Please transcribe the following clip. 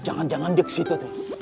jangan jangan dia kesitu tuh